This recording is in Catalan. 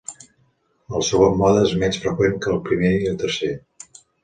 El segon mode és menys freqüent que el primer i tercer.